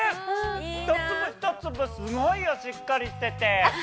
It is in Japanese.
一粒一粒すごいよ、しっかりしてて。